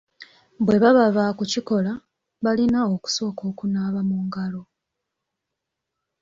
Bwe baba baakukikola, balina okusooka okunaaba mu ngalo.